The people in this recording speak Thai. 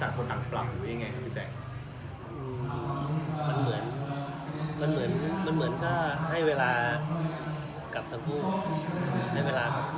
มันเหมือนก็ให้เวลากลับทางคู่ให้เวลาของตัวเอง